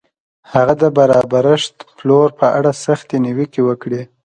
هغه د برابرښت پلور په اړه سختې نیوکې وکړې.